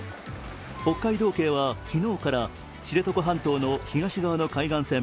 北海道警は昨日から知床半島の東側の海岸線